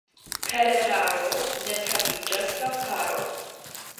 Per eraro ne praviĝas la faro.